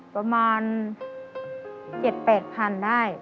ประมาณ๗๘พันได้